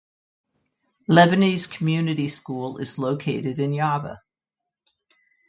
Lebanese Community School is located in Yaba.